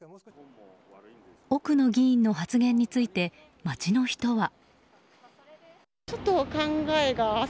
奥野議員の発言について街の人は。